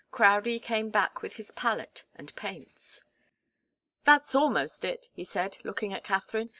Crowdie came back with his palette and paints. "That's almost it," he said, looking at Katharine.